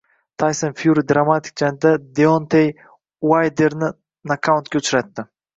Tayson Fyuri dramatik jangda Deontey Uaylderni nokautga uchratdi